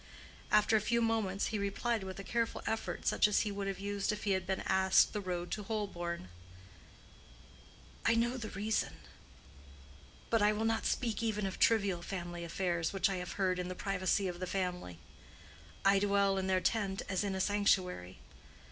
After a few moments, he replied with a careful effort such as he would have used if he had been asked the road to Holborn: "I know the reason. But I will not speak even of trivial family affairs which I have heard in the privacy of the family. I dwell in their tent as in a sanctuary.